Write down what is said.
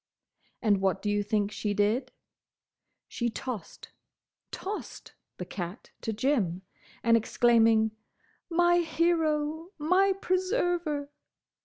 And what do you think she did? She tossed—tossed!—the cat to Jim, and, exclaiming, "My hero! My preserver!"